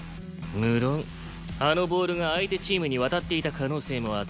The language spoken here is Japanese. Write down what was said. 無論あのボールが相手チームに渡っていた可能性もあった。